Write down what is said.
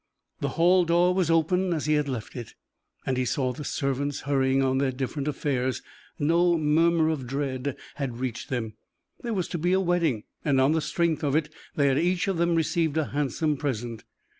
The hall door was open as he had left it, and he saw the servants hurrying on their different affairs; no murmur of dread had reached them. There was to be a wedding, and, on the strength of it, they had each of them received a handsome present.